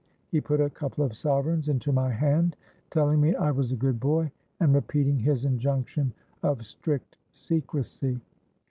He put a couple of sovereigns into my hand, telling me I was a good boy, and repeating his injunction of strict secresy.